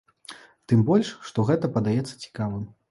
Тым больш што гэта падаецца цікавым.